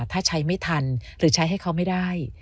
ถ้าใช้ไม่ทันหรือใช้ให้เขาไม่ได้